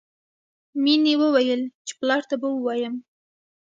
مینې وویل چې پلار ته به ووایم